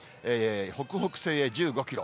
北北西へ１５キロ。